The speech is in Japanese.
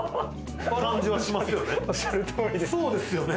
感じがしますよね。